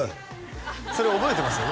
それ覚えてます？